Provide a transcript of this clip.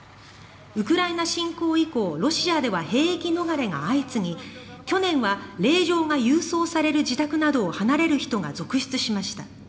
ウクライナ侵攻以降ロシアでは兵役逃れが相次ぎ去年は令状が郵送される自宅などを離れる人が続出しました。